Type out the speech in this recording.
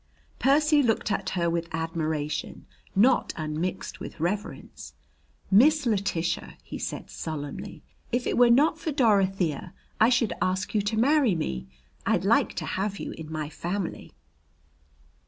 Percy looked at her with admiration not unmixed with reverence. "Miss Letitia," he said solemnly, "if it were not for Dorothea, I should ask you to marry me. I'd like to have you in my family."